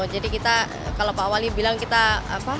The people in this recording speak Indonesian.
jadi kita kalau pak wali bilang kita apa